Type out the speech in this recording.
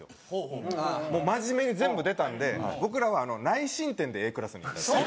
真面目に全部出たんで僕らは内申点でＡクラスに行った。